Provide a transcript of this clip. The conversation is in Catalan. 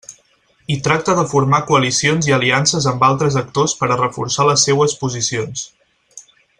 I tracta de formar coalicions i aliances amb altres actors per a reforçar les seues posicions.